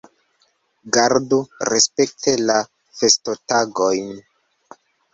Gardu respekte la festotagojn.